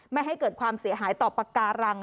ไม่ให้เกิดความเสียหายต่อปากการัง